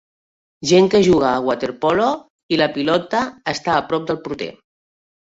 Gent que juga a waterpolo i la pilota està a prop del porter.